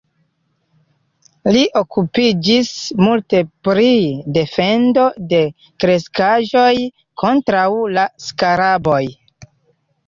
Li okupiĝis multe pri defendo de kreskaĵoj kontraŭ la skaraboj.